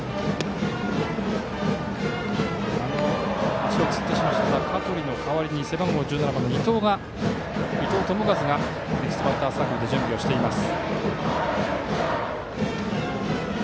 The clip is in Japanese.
足をつってしまった香取の代わりに背番号１７番の伊藤智一がネクストバッターズサークルで準備をしています。